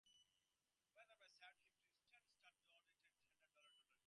Weatherby sent him to stand at stud at George Tattersall's stud, Dawley Wall Farm.